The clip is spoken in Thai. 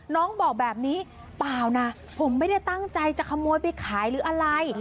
น้องบอกแบบนี้เปล่านะผมไม่ได้ตั้งใจจะขโมยไปขายหรืออะไร